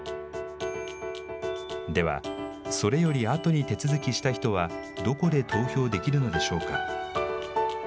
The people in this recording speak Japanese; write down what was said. では、それよりあとに手続した人はどこで投票できるのでしょうか。